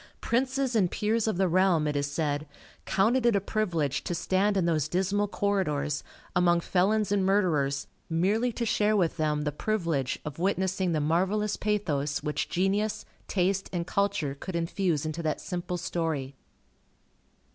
Princes and peers of the realm, it is said, counted it a privilege to stand in those dismal corridors, among felons and murderers, merely to share with them the privilege of witnessing the marvellous pathos which genius, taste, and culture could infuse into that simple story.